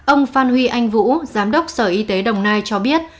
ông phan huy anh vũ giám đốc sở y tế đồng nai cho biết